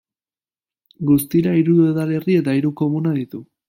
Guztira hiru udalerri eta hiru komuna ditu.